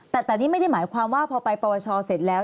แต่นี่ไม่ได้หมายความว่าพอไปประวัติศาสตร์เสร็จแล้ว